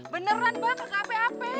beneran bang rekam ap ap